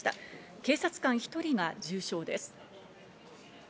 警察官１人が重傷です。